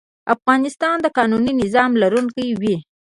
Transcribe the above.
افغانستان د قانوني نظام لرونکی وي.